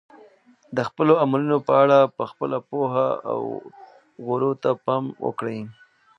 د خپلو عملونو په اړه په خپله پوهه او غورو ته پام وکړئ.